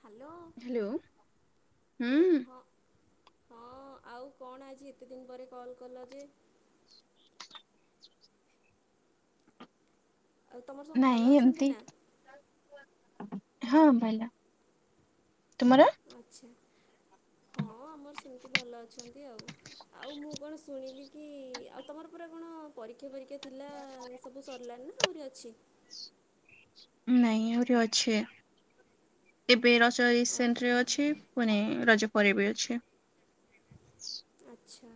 Hello hello, hello ହୁଁ। ହଁ ହଁ ଆଉ କଣ ଆଜି ଏତେ ଦିନ ପରେ କଲ କଲ ଯେ? ଆଉ ତମର ସବୁ ନାଇଁ ଭଲ ଅଛନ୍ତି ଏମିତି ନାଁ? ହଁ ଭଲା ତୁମର? ଆଚ୍ଛା। ହଁ ଆମର ସେମତି ଭଲ ଅଛନ୍ତି ଆଉ। ଆଉ ମୁଁ କଣ ଶୁଣିଲି କି ଆଉ ତମର ପୁରା କଣ ପରୀକ୍ଷା ଫରୀକ୍ଷା ଥିଲା ସବୁ ସରିଲାଣି ନାଉ ଆହୁରି ଅଛି? ନାଇଁ ଆହୁରି ଅଛି ଏ ବେ ରଜ ଓହୋ ଏସେଣ୍ଟରେ ଅଛି ପୁଣି ରଜ ପରେ ବି ଅଛେ- ଆଚ୍ଛା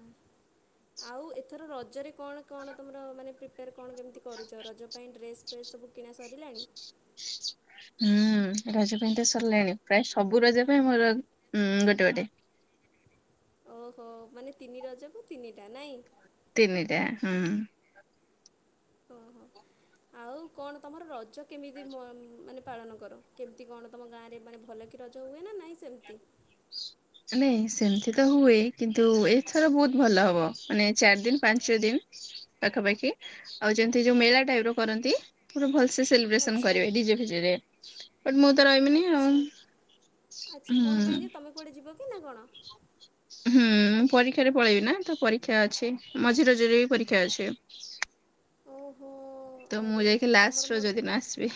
ଆଉ ଏଥର ରଜରେ କଣ କଣ ତୁମର ମାନେ ପ୍ରିପ୍ ରେ କଣ କେମିତି କରୁଛ ରଜ ପାଇଁ ଡ୍ରେସ୍- ଡ୍ରେସ ସବୁ କିିଣା ସରିଲାଣି? ହୁଁ ରଜ ପାଇଁ ତ ସରିଲାଣି, ପ୍ରାୟ ସବୁ ରଜ ପାଇଁ ମୋର ଉଁ ଗୋଟେ ଗୋଟେ। ଓହୋଃ ମାନେ ତିନି ର କୁ ତିନିଟା ନାଇଁ? ତିନିଟା ହୁଁ- ଓହୋଃ ଆଉ କଣ ତମର ରଜ କେମିତି ମ ମାନେ ପାଳନ କର କେମିତି କଣ ତମ ଗାଁରେ ମାନେ ଭଲ କିି ରଜ ହୁଏ ନା ନାହିଁ ସେମିତି? ନାଇଁ ସେମିତି ତ ହୁଏ କିନ୍ତୁ ଏଇଥର ବହୁତ ଭଲ ହବ ମାନେ ଚାରି ଦିନ ପାଞ୍ଚ ଦିନ ପାଖାପାଖି ଆଉ ଯେମିତି ଯୋଉ ମେଳା ଟାଇପର କରନ୍ତି ପୁରା ଭଲ ସେ ସେଲିବ୍ରେସନ ଆଚ୍ଛା କରିବେ ଡିଜେଫିଜେରେ। ବଟ୍ ମୁଁ ତ ରହିବିନି ଆଉ ଆଚ୍ଛା ଆଚ୍ଛା କ'ଣ ହୁଁଉଉ ପାଇଁ ଯେ ତୁମେ କୁଆଡ଼େ ଯିବ କି ନା କଣ। ହୁଁ ମୁଁ ପରୀକ୍ଷାରେ ପଳେଇବି ନା ତ ପରୀକ୍ଷା ଅଛି ମଝି ରଜରେ ବି ପରୀକ୍ଷା ଅଛି। ଓହୋଃ ତ ମୁଁ ଯାଇକି ଲାଷ୍ଟ ରଜ ଦିନ ଆସିବି।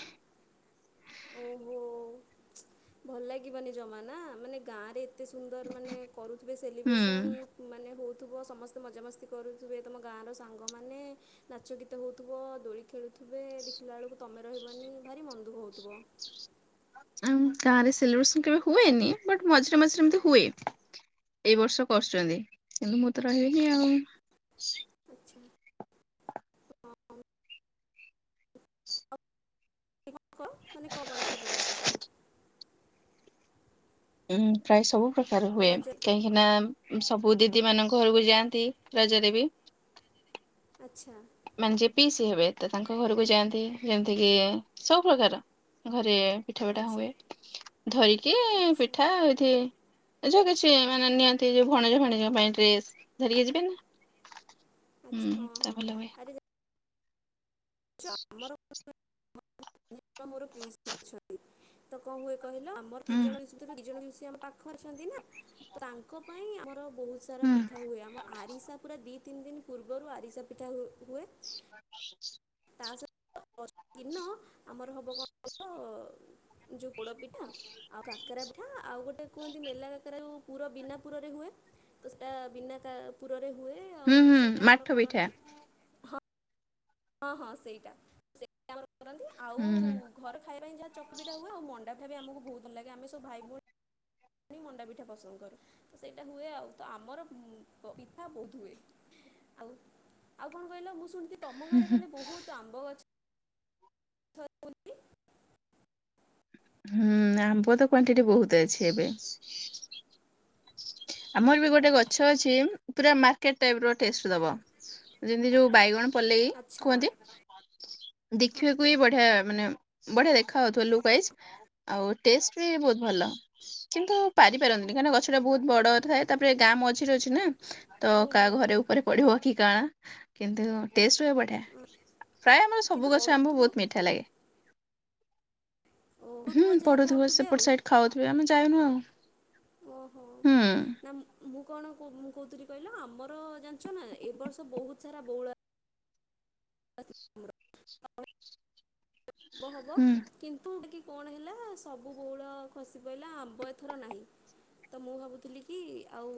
ଓହୋ ଭଲ ଲାଗିବନି ଜମା ନା, ମାନେ ଗାଁଆରେ ଏତେ ସୁନ୍ଦର ମାନେ କରୁଥିବେ ହୁଁ। ସେଲିବ୍ରେସନ ମାନେ ହଉ। [inaudible] ଥିବ ସମସ୍ତେ ମଜାମସ୍ତି କରୁଥିବେ ତୁମ ଗାଁର ସାଙ୍ଗମାନେ ନାଚ ଗୀତ ହେଉଥିବ ଦୋଳି ଖେଳୁଥିବେ ଦେଖିଲା ବେଳକୁ ତମେ ରହିବନି ଭାରି ମନଦୁଖ ହେଉଥିବ। ଆମ ଗାଆଁରେ ସେଲିବ୍ରେସନ୍ କେବେ ହୁଏନି ବଟ୍ ମଝିରେ ମଝିରେ ଏମତି ହୁଏ ଏଇ ବର୍ଷ କରୁଛନ୍ତି କିନ୍ତୁ ମୁଁ ତ ରହିବିନି ଆଉ। [inaudible] [inaudible] ମାନେ କଣ କଣ [inaudible] ସବୁ। ହୁଁ ପ୍ରାୟ ସବୁ। ପ୍ରକାର ହୁଏ ରଜ କାହିଁକି ନା। ସବୁ ଦିଦି ମାନଙ୍କ ଘରକୁ ଯାଆନ୍ତି ରଜରେ ବି। ଆଚ୍ଛା। ମାନେ ଯେ ପିଇସି ହେବେ ତ ତାଙ୍କ ଘରକୁ ଯାଆନ୍ତି ଯେମିତିକି ସବୁ ପ୍ରକାର, ଘରେ ପିଠା ପିଠା ଆଚ୍ଛା ହୁଏ, ଧରିକି ଆଚ୍ଛା ପିଠା ଏଇଠି। ଯୋଉ କିଛି ମାନେ ନିଅନ୍ତି ଯୋଉ ଭଣଜା ଭାଣିଜୀଙ୍କ ପାଇଁ ଡ୍ରେସ ଧରିକି ଯିବେନି? ଆଚ୍ଛା ହୁଁ ହଁ ତା ହଁ ଭଲ ହୁଏ। ଆଛ ଆମର [inaudible] [inaudible] ମୋର ପିଉସୀ ଅଛନ୍ତି ତ କଣ ହୁଏ। କହିଲା ଆମ ତିି ହୁଁ ଜଣ ଭିତରୁ ଦି ଜଣ। [inaudible] ଆମ ପାଖ ଅଛନ୍ତି ନା, ତାଙ୍କ ପାଇଁ ଆମ ର ବହୁତ ସାରା ହୁଁ ପିଠା ହୁଏ ଆମ ଆରିସା ପୁରା ଦି ତିନି ଦିନ ପୂର୍ବରୁ ଆରିସା ପିଠା ହୁ ହୁଏ। [inaudible] ତା ସହିତ ଦିନ ଆମର ହବ କଣ? ପୋଡ ପିଠା ଆଉ କାକରା ପିଠା ଆଉ ଗୋଟେ କୁହନ୍ତି ମେଲା କକାର ପୁର ବିନା ପୁରରେ ହୁଏ ତ ସେଟା ବିନା ପୁରା ରେ ହୁଁ ହୁଁ ମାଠ ପିଠା। ହଁ ହଁ ହଁ ସେଇଟା କରନ୍ତି ଆଉ ହୁଁ ଘର ଖାଇବା ପାଇଁ ଯାହା ଚକୁଳୀ ପିଠା ହୁଏ ଆଉ ମଣ୍ଡ ଣ୍ଡା ପିଠା ବି ଆମକୁ ବହୁତ ଭଲ ଲାଗେ ଆମେ ସବୁ ଭାଇ ଭଉଣୀ ମଣ୍ଡା ପିଠା ପସନ୍ଦ କରୁ ସେଇଟା ହୁଏ ଆଉ ତ ଆମର ପିଠା ବହୁତ ହୁଏ ଆଉ ଆଉ କଣ କହିଲ ମୁଁ ଶୁଣିଥିଲ। ହୁଁ ହୁଁ। ବହୁତ ଆମ୍ବ ଅଛି ବୋଲି? ହୁଁ ଆମ୍ବ ତ କ୍ଵାଣ୍ଟିଟି ବହୁତ ଅଛି ଏବେ। ଆମର ବି ଗୋଟେ ଗଛ ଅଛି। ପୁରା ମାର୍କେଟ ଟାଇପ ର ଟେଷ୍ଟ ଦ ଯେମତି ଯୋଉ ବାଇଗଣ। ପଲେଇ ଆଚ୍ଛା କୁହନ୍ତି। ଦେଖିବାକୁ ବି ବଢିଆ ମାନେ ବଢିଆ ଦେଖା ହାଉଥିବ ଲୁକ୍ ୱାଇଜ ଆଉ ଟେଷ୍ଟ ବି ବହୁତ ଭଲ କିନ୍ତୁ ପାରିପାରନ୍ତିନି କାହିଁକିନା ଗଛଟା ବହୁତ। ବଡ ଥାଏ ତାପରେ ଗାଁ ମଝିରେ ଅଛି ନା। ତ ହଁ ଓହୋ କାହା ଘରେ ଉପରେ ପଢିବ କି କାଣା। କିନ୍ତୁ ଟଷ୍ଟ ହୁଏ ବଢିଆ। ପ୍ରାୟ ଆମର କିନ୍ତୁ ସବୁ ଗଛ ଆମ୍ବ ପଢ଼ୁଥିବ ବହୁତ ମିଠା ଲାଗେ। ହୁଁ ପଢ଼ୁଥିବ ଯାହା ପଢୁଥିବ ଖାଉଥିବେ ଆଉ ସେପଟେ ସୋଇଠ ଖାଉଥିବେ ଆମେ ଯାଇନୁ ଆଉ। ଓହୋ। ହୁଁ ନା ମୁ କଣ ମୁଁ କହୁଥିଲି କହିଲ ଆମର ଜାଣିଛ ନା ଏବ ବର୍ଷ ବହୁତ ସାରା ବଉଳ। [inaudible] ଭ ହବ ହୁଁ କିନ୍ତୁ ଟିକେ କଣ ହେଲା ସବୁ ବହୁଳ ଖସି ପଡ଼ିଲା ଆମ୍ବ ଏଥର ନାହିଁ ତ ମୁଁ ଭାବୁଥିଲି କି ଆଉ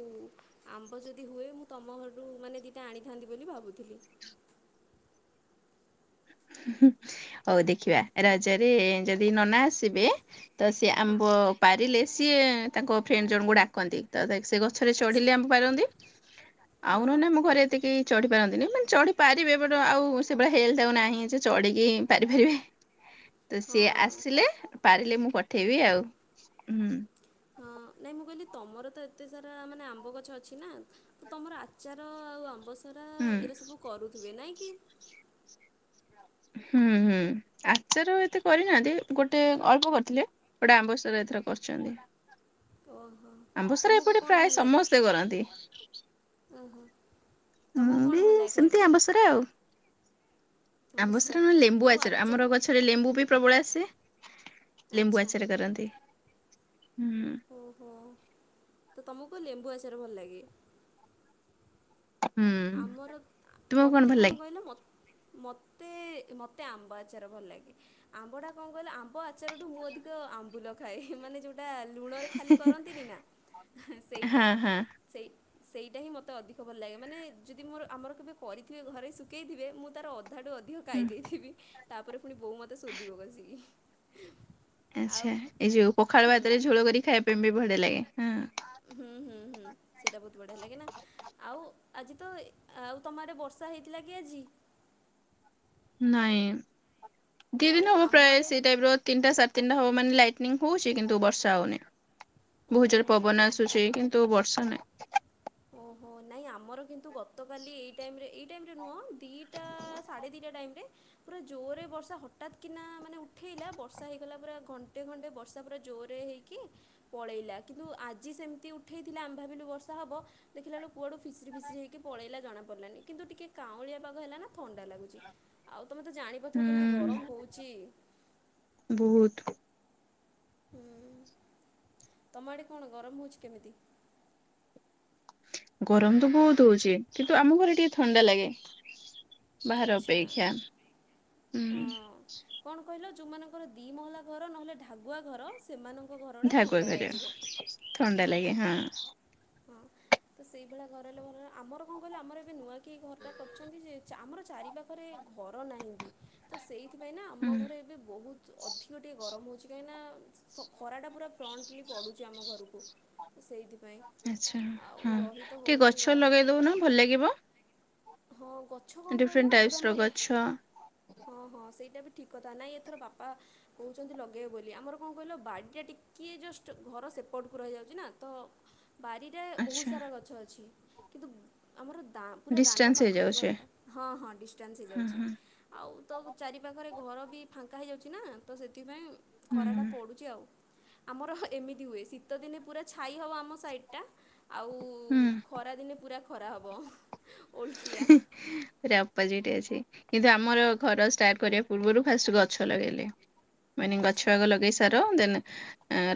ଆମ୍ବ ଯଦି ହୁଏ ମୁଁ ତମ ଘରୁ ମାନେ ଦିଟା ଆଣିଥାନ୍ତି ବୋଲି ଭାବୁଥିଲି। ହଉ ଦେଖିବା ରାଜରେ ଯଦି ନନା ଆସିବେ। ତ ସେ ହଁ ଆମ୍ବ ପାରିଲେ। ସିଏ ତାଙ୍କ ଫ୍ରେଣ୍ଡ ଜଣଙ୍କୁ ଡାକନ୍ତି ତ ସେ ଗଛରେ ଆଚ୍ଛା ଚଢିଲି ଆମ ପାରନ୍ତି ଆଉ ନହ ହଁ ନା ମୁଁ ଘରେ ଏତିକି। ଚଢ଼ି ପାରନ୍ତିନି ମାନେ ଚଢ଼ିପାରିବେ ବଟେ ଆଉ ସେଇଳି ହେଲ୍ଥ ଆଉ ନାହିଁ। ଚଢିକି ପାରିପାରିବେ। ତ ସିଏ ହଁ ଆସିଲେ ପାରିଲେ ମୁଁ କ ଥିବି ଆଉ ହୁଁ। ହଁ ନାଇଁ ମୁଁ କହିଲି ତମର ତ ଏତେ ସାରା ମାନେ ଆମ୍ବ ଗଛ ଅଛି ନା ତ ତମର ଆଚାର ଆଉ ଆମ୍ବ ସରାା ହୁଁ। ଏଇରା ସବୁ କରୁଥିବେ ନାଇଁ। କି? ହୁଁ ହୁଁ ଆଚାର ଏତେ କରିନାହାନ୍ତି ଗୋଟେ ଅଳ୍ପ କରିଥିଲେ ଗୋଟେ ଆମ୍ବସରା ଏଥର କରିଛନ୍ତି। ଓହୋ ଆମ୍ବସରା ତମକୁ ଏପଟେ କଣ ପ୍ରାୟ ଭଲ ଲାଗେ? ସମସ୍ତେ କରନ୍ତି। ଓହୋ ତମକୁ ମୁଁ କଣ ବି ଭଲ ଲ ଖାଇବା ପାଇଁ। ଆମ୍ବ ଆମ୍ବସରା ସାରା ନହଲେ ଲେମ୍ବୁ ଆଉ ଆଚାର ଆମର ଗଛରେ ଲେମ୍ବୁ ବି ପ୍ରବଳ ଆସେ। ଲେମ୍ବୁ ଆଚ୍ଛା ଆଚରେ କରନ୍ତି। ହୁଁ। ଓହୋ। ତ ତମକୁ ଲେମ୍ବୁ ଆଚରେ ଭଲ ଲାଗେ। ହୁଁ ଆମର ତୁମକୁ ମତେ ଭଲ କଣ ଲାଗେ କହିଲା ମ ମତେ ମତେ ଆମ୍ବ ଆଚାର ଭଲ ଲାଗେ ଆମ୍ବ ଟା କଣ କହିଲ ଆମ୍ବ ଆ ଆଚାର ଠୁ ମୁଁ ଅଧିକ ଆମ୍ବୁଲ। ଖା ଏ ମାନେ ଯୋଉ। ଲୁଣରେ ଖାଲି କରନ୍ତିନି ନା ସେଇଟା ହଁ ହଁ ସେଇ ସେଇଟା ହିଁ ମତେ ଅଧିକ ଭଲ ଲାଗେ। ମାନେ ଯଦି ମୋର ଆମର କେବେ କରିଥିବେ ଘରେ ଶୁଖେଇଥିବେ ମୁଁ ତାର ଅ - ଅ ଧା ଠୁ ଅଧିକ ହୁଁ। ଖାଇ ଦେଇଥିବି। ତାପରେ ପୁଣି ବୋଉ ମତେ ଶୋଧିବ କସିକି। ଆଚ୍ଛା ଏଇ ଯୋଉ ପଖାଳ ଭାତରେ ଝୋଳ କରି ଖାଇବା ପାଇଁ ବି ବଢ଼ିଆ ଲାଗେ। ହଁ ହୁଁ ହୁଁ ହୁଁ ସେଇଟା ବହୁତ ବଢିଆ ହେଲା କି ନା ଆଉ ଆଜି ତ ଆଉ ତମାଆଡେ ବର୍ଷା ହେଇଥିଲା କି ଆଜି? ନାଇଁ। ଦିଇ ଆଉ ଦିନ ହବ ଆମ ପ୍ରାୟ ଆଡ଼େ ସେଇ ଟାଇପର ତିନଟା ସାଢ଼େ ତିନିଟା ହବ ମାନେ ଲାଇ - ନିଂ ହଉଛି କିନ୍ତୁ ବର୍ଷା ହଉନି। ଭହୁତ ଜୋର ରେ ଓହୋ ପବନ ନାଇଁ ଆସୁଛି କିନ୍ତୁ ବର୍ଷ- ନାଇ। ଓହୋ ନାଇଁ ଆମର- କିନ୍ତୁ ଗତକାଲି ଏଇ ଟାଇମ ରେ ଏଇ- ଏ ଟାଇମ ରେ ନୁଁଅ। ଦିଇଟା ସାଢ଼େ ଦିଇଟା ଟାଇମ୍ ରେ। ପୁରା ଜୋରରେ ବର୍ଷା ହଟାତ୍ କିନା ମାନେ ଉଠେଇଲା ବର୍ଷା ହେଇଗଲା ପୁରା ଘଣ୍ଟେ ଘଣ୍ଟେ ପୁରା ଜୋରରେ ହେଇକି ପଳେଇଲା କିନ୍ତୁ ଆଜି ସେମିତି ଉଠେଇଲା ଆମେଭାବିଲୁ ବର୍ଷା ହବ। ଦେଖିଲାବେଳକୁ କୁଆଡୁ ଫିସିରି ଫିଶିରିହେଇକି ପଳେଇଲା ଜଣାପଡିଲାନି କିନ୍ତୁ ଟିକେ କାଉଁଳିଆ ପାଗ ହେଲା ନା। ଥଣ୍ଡା ଲାଗୁଛି ଆଉ ତମେ ତ ଜାଣିପାରୁଥିବ କେମିତି ହୁଁ। ଗରମ ହଉଛି। ବହୁତ ହୁଁ ତମ ଆଡେ କଣ ଗରମ ହଉଛି କେମିତି। ଗରମ ତ ବହୁତ ହଉଚି କିନ୍ତୁ ଆମ ଘରେ ଟିକେ ଥଣ୍ଡା ଲାଗେ। ବାହାର ଆଚ୍ଛା ଅପେକ୍ଷା ହଁ ହୁଁ। କଣ କହିଲ ଯୋଉମାନଙ୍କର ଦି ମହଲା ଘର ନହେଲେ ଢାାଗୁଆ ଘର ସେମାନଙ୍କ ଘରଟା ଢାକୁର ଥଣ୍ଡା ଘର ଲାଗିବ। ଥଣ୍ଡା ଲାଗେ ହଁ। ହଁ ତ ସେଇଭଳିଆ ଘରେ ହେଲେ ଭଲ ଆମର କଣ କହିଲେ ଆମର ଏବେ ନୂଆ କିଏ ଘରଟା କରିଛନ୍ତି ଯେ? ଆମର ଚାରିପାଖରେ ଘର ନାହିଁ ବି ତ ସେଇ ସେଇ ନାଁ ଆମ ହୁଁ ଘରେ ଏବେ ବହୁତ ଅଧିକ ଟିକେ ଗରମ ହଉ କାହିଁକିନା ଖରାଟା ପୁରା ଫ୍ରଣ୍ଟଲି ପଡ଼ୁଛି ଆମ ଘରକୁ ସେଇଥିପାଇଁ। ଆଚ୍ଛା ଆଉ ହଁ ରହି ତ ଟିକେ ହେଉନି ଗଛ ଲଗେଇଦବୁ ନା ଭଲ ଲାଗିବ। ହଉ। ଗଛ କଣ କହିଲ ଡିଫରେଣ୍ଟ ଆଗରୁ ଟାଇପ୍ସ ର ଆମର ଗଛ ହଁ ହଁ ସେଇଟା ବି ଠିକ୍ କଥା ନହିଁ ଏଥର ବାପା କହୁଛନ୍ତି ଲଗେଇବେ ବୋଲି ଆମର କଣ କହିଲ ବାଡ଼ିଟା ଟିକିଏ ଜଷ୍ଟ ଘର ସେପର୍ଟକୁ ହେଇଯାଉଛି ନା ତ ବାରିରେ ବହୁତ ଆଚ୍ଛା। ସାରା ଗଛ ଅଛି। କିନ୍ତୁ ଆମର ପୁରା ଦାଣ୍ଡ ଡିଷ୍ଟାନ୍ସ ପାଖରେ ହେଇଯାଉଛି ଘରଟା ହଁ ହଁ ଡିଷ୍ଟାନ୍ସ ହଁ ହେଇଯାଉଛି ହଁ ଆଉ ତ ଚାରି ପାଖରେ ଘର ବି ଫାଙ୍କା ହେଇଯାଉଛି ନା ତ ସେଥିପାଇଁ ଖରା ଟା ହୁଁ ପଡୁଛି ଆଉ। ଆମର ଏମିତି ହୁଏ ଶୀତ ଦିନେ ପୁରା ଛାଇ ହବ ଆମ ସାଇ ଏଟା ଆଉ ଖରାଦିନେ ପୁରା ଖରା ହବ। ଆପା ଯେଟି ଅଛି। କିନ୍ତୁ ଆମର ଘର ଷ୍ଟାର୍ଟ କରିବା ପୂର୍ବରୁ ଫାଷ୍ଟ ଗଛ ଲଗେଇଲେ। ମନି ଆଚ୍ଛା ଗଛଆଗ ଲଗେଇ ସାର ଦେନ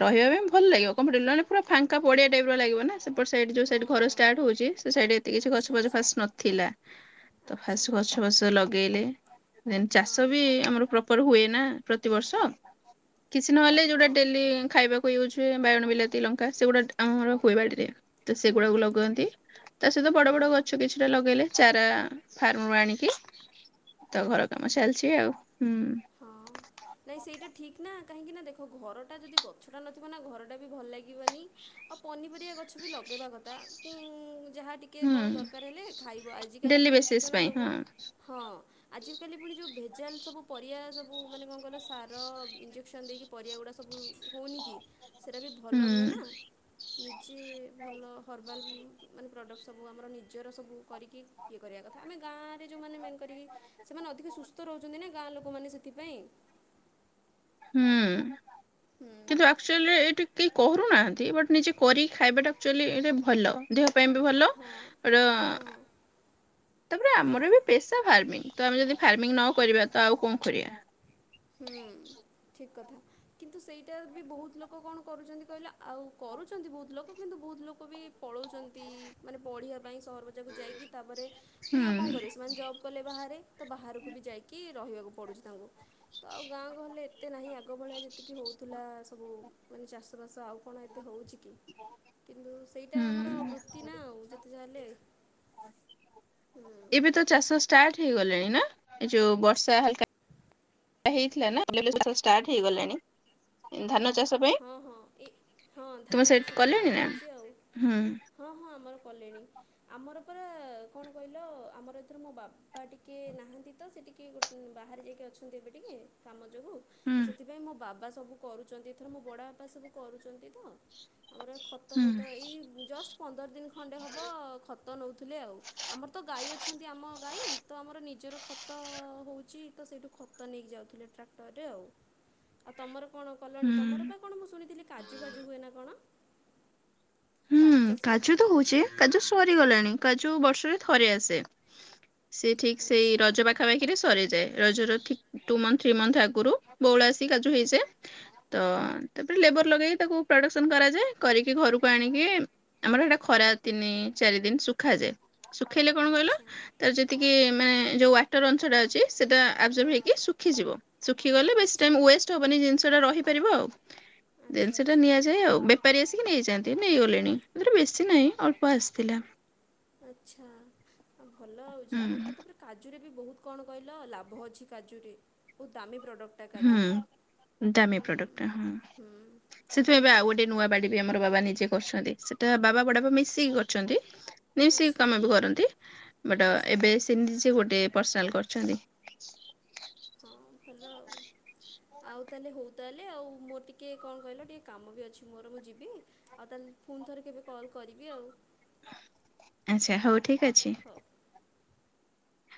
ରହିବା ପାଇଁ ଭଲ ଲାଗିବ କଣ ପିଲେ ପୁରା ଫାଙ୍କା ପଡିଆ ଟାଇପ ର ଲାଗିବ ନା। ସେପଟାଇଡ଼ ଯେଉଁ ସାଇଡ଼ ଘର ହଁ ଷ୍ଟାର୍ଟ ହେଉଛି ସେ ସାଇଡ଼୍ ଏତେ ଗଛ ଆଚ୍ଛା ଫଚ ଆଚ୍ଛା ଫାଷ୍ଟ ନଥିଲା ତ ଫାସ ଆଚ୍ଛା ଗଛ ବଷ ଲଗେଇ ବେଲେ ଚାଷ ହଁ ବି ଆମର ପ୍ରପର ହୁଏ ନା। ପ୍ରତିିବର୍ଷ କିଛି ନହେଲେ ଯୋଉଟା ହଁ ଡେଲି ଖାଇବାକୁ ୟୁଜ ବାଇଗଣ ବିଲାତି ଲଙ୍କା ସେଗୁଡା ଆମର ହୁଏ ବାଡିରେ ତ ହୁଁ ସେଗୁଡାକୁ ଲଗାଅନ୍ତି ତା ସହିତ ବଡ ବଡ ହଁ ଗଛ କିଛି ଚାରା ଫାର୍ମ ରୁ ଆଣିକି ତ ହଁ ଘର କାମ ଚାଲିଛି ଆଉ। ହୁଁ ହଁ ନାଇଁ ସେଇଟା ଠିକ ନା କାହିଁକି ନା ଦେଖ ଘରଟା ଯଦି ଗଛଟା ନଥିବ ନା ଘରଟା ବି ଭଲ ଲାଗିବନି ଆଉ ପନିପରି ଗୋଟିଏ ଗଛ ବି ଲଗେଇବା କଥା। [unintelligible] ଯାହା ଟିକେ ହୁଁ କଣ ଦରକାର ହେଲେ ଖାଇବ ଆଜିକାଲି ଡେଲି ପୁଣି ଦେଖୁଛ ବେସିସ୍ ନା ପାଇଁ ହଁ ଯୋଉଭଳିଆ ହଁ ଆଜି କାଲି ପୁଣି ଯୋଉ ଭେ ଜାଲ୍ ସବୁ। ପରିବା ସବୁ ମାନେ କଣ କହିଲ ସାର ଇଞ୍ଜେକ୍ସନ୍ ଦେଇକି ପରିବା ଗୁଡ଼ାକ ସବୁ ହୋଉନି କି। ସେଇଟା ବି ଭଲ ହୁଁ ନୁହେଁ ନା। ନିଜେ ଭଲ ହର୍ବାଲ୍ ମାନେ ପ୍ରଡ଼କ୍ଟ ସବୁ ଆମର ନିଜର ସବୁ କରିକି ଇଏ କରିବା କଥା ଆମେ ଗାଁଆରେ ଯେଉଁମାନେ ମେ କରିକି, ସେମାନେ ଅଧିକ ସୁସ୍ଥ ରହୁଛନ୍ତି ନା। ଗାଁ ଲୋକମାନେ ସେଥିପାଇଁ। ହୁଁ ହୁଁ କିନ୍ତୁ ଆକ୍ଚୁଆଲିରେ ଏଇଠ କି କରୁନାହାନ୍ତି ବଟ୍ ନିଜେ କରିକି ଖାଇବାଟା ଆକ୍ଚୁଆଲି ଏଇଟା ଭଲ ଦେହ ପାଇଁ ବି ଭଲ ହଁ [inaudible] ହଁ ତାପରେ ଆମର ବି ପେସା ଫାର୍ମିଙ୍ଗ୍ ତ ଆମେ ଯଦି ଫାର୍ମିଙ୍ଗ୍ ନ କରିବା ତ ଆଉ କଣ କରିବା? ହୁଁ ଠିକ୍ କଥା। କିନ୍ତୁ ସେଇଟା ବି ବହୁତ ଲୋକ କଣ କରୁଛନ୍ତି କହିଲ ଆ ଆଉ କରୁଛନ୍ତି ବହୁତ ଲୋକ। କିନ୍ତୁ ବହୁତ ଲୋକ ବି ପଳଉଛନ୍ତି ମାନେ ପଢ଼ିବା। ପାଇଁ ସହର ବଜାରକୁ ଯାଇକି ତାପରେ ପୁଣି ହୁଁ ଆଉ କଣ କରିବେ ସେମାନେ ଜବ୍ କଲେ ବାହାରେ। ତ ବାହାରକୁ ବି ଯାଇକି ରହିବାକୁ ପଡ଼ୁଛି ତାଙ୍କୁ। ତ ଆଉ ଗାଁ ଗହଲିରେ ଏତେ ନାହିଁ ଆଗ ଭଳିଆ ଯେତିକି ହେଉଥିଲା ସବୁ ମାନେ ଚାଷବାସ ଆଉ କଣ ଏତେ ହଉଛି କି? କିନ୍ତୁ ସେଇଟା ଆମର ହୁଁ ବୃତ୍ତି ନା ଆଉ ଯେତ୍ ଯେତେ ଯାହେଲେ, ହୁଁ। ଏବେ ତ ଚାଷ ଷ୍ଟାର୍ଟ ହେଇଗଲାଣି ନା ଏ ଯଉ ବର୍ଷା ହେଲା। ହେଇଥିଲା ନା [inaudible] ଷ୍ଟାର୍ଟ ହେଇଗଲାଣି, ଧାନ ଚାଷ। ପାଇଁ ହଁ ହଁ ଏଇ ହଁ ତୁମେ ଧାନ ସେଠି ଚାଷ ପାଇଁ ଏବେ କଲେଣି ତ ନା ହଉଛି ଆଉ ହୁଁ ହଁ ହଁ ଆମର କଲେଣି ଆମର ତାପରା କଣ କହିଲ ଆମର ଏଥର ମୋ ବାପା ଟିକେ ନାହାନ୍ତି ତ ସେ ଟିକେ ଗୋ ବାହାରେ ଯାଇକି ଅଛନ୍ତି ଏବେ ଟିକେ, କାମ ଯୋଗୁ, ହୁଁ ସେଥିପାଇଁ ମୋ ବାବା ସବୁ କରୁଛନ୍ତି। ଏଥର ମୋ ବଡ଼ ବାପା ସବୁ କରୁଛନ୍ତି। [inaudible] ଆମର ହୁଁ ଖତଫତ ଏଇ ଜଷ୍ଟ ପନ୍ଦର ଦିନ ଖଣ୍ଡେ ହବ ଖ ତ ନୋଉଥୁଲେ ଆଉ। ଆମର ତ ଗାଈ ଅଛନ୍ତି ଆମ ଗାଈ ତ ଆମର ନିଜର ଖତ ହୋଉଚି ତ ସେଇଠୁ ଖତ ନେଇକି ଯାଉଥୁଲେ ଟ୍ରାକ୍ଟରରେ ଆଉ। ଆଉ ତମର କଣ କଲ? ହୁଁ ତମର ପା କଣ ମୁଁ ଶୁଣିଥିଲି କଜୁ ଫାଜୁ ହୁଏ ନାଁ କଣ? ହୁଁ କାଜୁ ତ ହୋଉଚି କାଜୁ ସରିଗଲାଣି କାଜୁ ବର୍ଷରେ ଥରେ ଆସେ। ସେ ଠିକ ସେଇ ଆଚ୍ଛା ରଜ ପାଖାପାଖିରେ ସରିଯାଏ। ରଜର ଠିକ୍ ଟୁ ମନ୍ଥ ଥ୍ରୀ ମନ୍ଥ ଅଗୁରୁ ବୋଉଳ ଆସି କାଜୁ ହେଇଯାଏ ତ ତାପରେ ଲେବର ଲଗେଇକି ତାକୁ ପ୍ରଡକ୍ସନ୍ କରାଯାଏ। କରିକି ଘରୁ କୁ ଆଣିକି ଆମର ହେଟା ଖରା ତିନି ଚାରି ଦିନ ଶୁଖାଯାଏ। ଶୁଖେଇଲେ କଣ କହିଲ ଆଚ୍ଛା ତାର ଯେତିକି ଆମେ ଯୋଉ ୱାଟର ଅଂଶଟା ଅଛି ସେଟା ହଁ ଆବଜର୍ବ ହେଇକି ଶୁିଖିଯିବ ଶୁଖିଗଲେ ବେଶୀ ଆଚ୍ଛା ଟାଇମ୍ ଉଏଷ୍ଟ ହବନେଇ ଜିନିଷଟା ରହି ପାରିବ ଆଉ। ଆଚ୍ଛା ଜିନିଷଟା ଆଚ୍ଛା ନିଆଯାଏ ଆଉ ବେପାରୀ ଆସ୍ ବି ନେଇଯାଆନ୍ ନେଇଗଲେଣି ଏଥର ବେଶୀ ନାହିଁ ଅଳ୍ପ ଆସିଥିଲା। ଆଚ୍ଛା ଆଉ ଭଲ ଆଉ ଯା ହୁଁ ହୋଉ ଆଉ ତାପରେ କାଜୁରେ ବି ବୋହୁତ୍ କଣ କହିଲ ଲାଭ ଅଛି କାଜୁରେ, ବୋହୁତ୍ ଦାମୀ ପ୍ରଡ଼କ୍ଟଟା କାଜୁଟା ହୁଁ ଦାମୀ ହୁଁ ପ୍ରଡକ୍ଟଟା ହଁ ହୁଁ ସେଥିପାଇଁ ପା ଆଉ ଗୋଟେ ନୂଆ ବାଡ଼ି ବି ଆମର ବାବା ନିଜେ କରଛନ୍ତି ସେଟା ବାବା ବଡ଼ାପା ମିଶିକି କରଛନ୍ତି। ନାଇଁ ସିଏ ଆଚ୍ଛା କାମ ବି କରନ୍ତି ବଟ ଆଚ୍ଛା ଏବେ ସେ ନିଜେ ଗୋଟେ ପର୍ସନାଲ କରଛନ୍ତି। ହଁ। ଭଲ ଆଉ ଆଉ ତାହେଲେ ହୋଉ ତାହେଲେ ଆଉ ମୋର ଟିକେ କଁ କହିଲ ଟିକେ କାମ ବି ଅଛି ମୋର ମୁଁ ଯିବି ଆଉ ତାହେଲେ ଫୁଣି ଥରେ କେବେ କଲ୍ କରିବି ଆଉ। ଆଚ୍ଛା ହୋଉ ଠିକ ଅଛି। ହଉ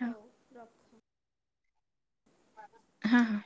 ହଉ ରଖ। ହଁ ହଁ।